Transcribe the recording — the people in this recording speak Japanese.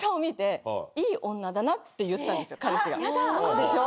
でしょ？